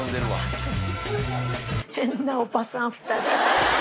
確かに。